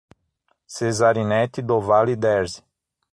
Cezarinete do Vale Derze